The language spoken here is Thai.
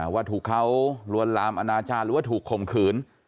ว่าถูกเขาลวนลามอนาจารย์หรือว่าถูกข่มขืน